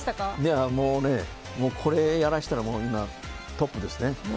これをやらせたらトップですね。